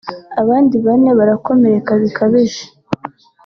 abandi bane barakomeka bikabije